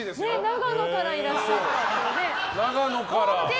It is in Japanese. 長野からいらっしゃって。